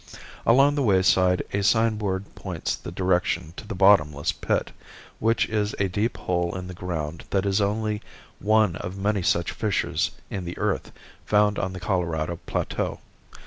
Along the wayside a signboard points the direction to the Bottomless Pit, which is a deep hole in the ground that is only one of many such fissures in the earth found on the Colorado Plateau.